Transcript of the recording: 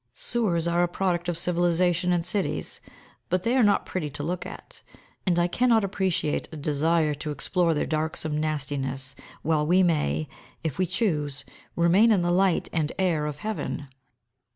Sewers are a product of civilisation in cities, but they are not pretty to look at, and I cannot appreciate a desire to explore their darksome nastiness while we may, if we choose, remain in the light and air of heaven.